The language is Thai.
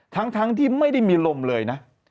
ทั้งที่ไม่ได้มีลมเลยนะ